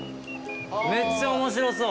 めっちゃ面白そう。